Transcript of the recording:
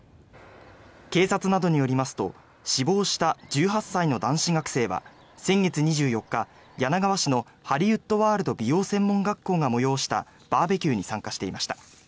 警察などによりますと死亡した１８歳の男子学生は先月２４日、柳川市のハリウッドワールド美容専門学校が催したバーベキューに参加していました。